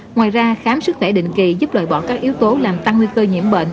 ngoài ra khám sức khỏe định kỳ giúp loại bỏ các yếu tố làm tăng nguy cơ nhiễm bệnh